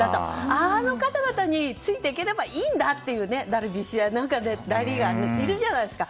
あの方々についていければいいんだというダルビッシュやら大リーガーがいるじゃないですか。